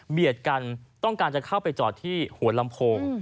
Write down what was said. เบียดกันต้องการจะเข้าไปจอดหัวลำโพง